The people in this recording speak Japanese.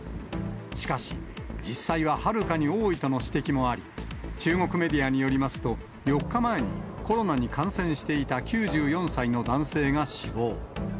しかし、実際ははるかに多いとの指摘もあり、中国メディアによりますと、４日前にコロナに感染していた９４歳の男性が死亡。